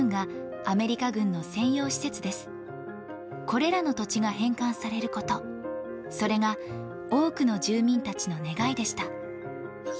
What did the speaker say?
これらの土地が返還されることそれが多くの住民たちの願いでした。